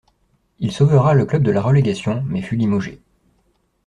Il sauvera le club de la relégation mais fut limogé.